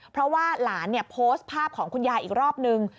เพราะว่าหลานโพสต์ภาพของคุณยายอีกรอบนึง